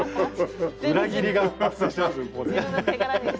裏切りが発生してます